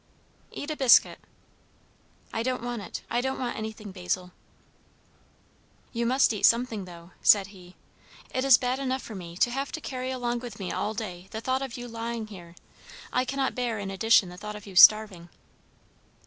"Eat a biscuit ." "I don't want it. I don't want anything, Basil." "You must eat something, though," said he. "It is bad enough for me to have to carry along with me all day the thought of you lying here; I cannot bear in addition the thought of you starving."